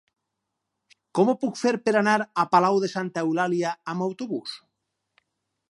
Com ho puc fer per anar a Palau de Santa Eulàlia amb autobús?